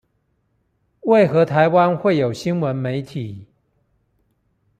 為何台灣會有新聞媒體